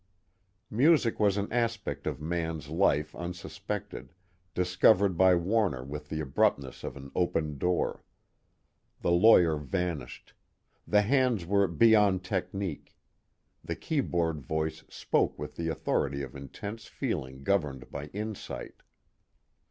Music was an aspect of Mann's life unsuspected, discovered by Warner with the abruptness of an opened door. The lawyer vanished; the hands were "beyond technique"; the keyboard voice spoke with the authority of intense feeling governed by insight.